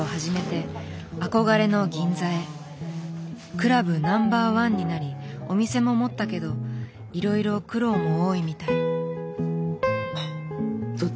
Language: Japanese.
クラブナンバー１になりお店も持ったけどいろいろ苦労も多いみたい。